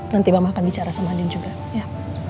nanti mama akan bicara sama anin juga ya